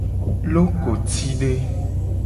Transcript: Lokotide.